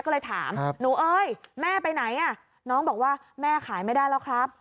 ก็เลยถามหนูเอ้ยแม่ไปไหนอ่ะน้องบอกว่าแม่ขายไม่ได้แล้วครับ